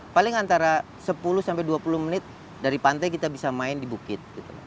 paling antara sepuluh sampai dua puluh menit dari pantai kita bisa main di bukit